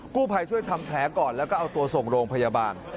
กู้ภัยช่วยทำแผลก่อนแล้วก็เอาตัวส่งโรงพยาบาล